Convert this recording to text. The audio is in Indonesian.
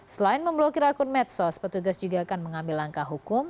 selain memblokir akun medsos petugas juga akan mengambil langkah hukum